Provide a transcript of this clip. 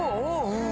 うん。